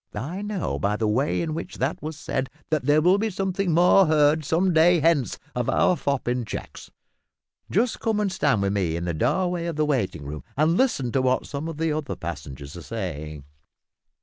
"I know by the way in which that was said that there will be something more heard some day hence of our fop in checks. Just come and stand with me in the doorway of the waiting room, and listen to what some of the other passengers are saying."